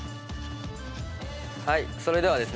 はいそれではですね